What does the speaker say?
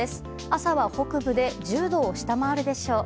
朝は北部で１０度を下回るでしょう。